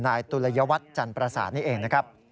นายตุลยวัฒน์จันทร์ประสาทนี่เองนะครับ